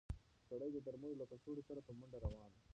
سړی د درملو له کڅوړې سره په منډه روان و.